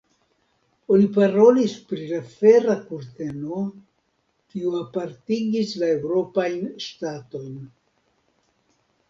Oni parolis pri la fera kurteno, kiu apartigis la eŭropajn ŝtatojn.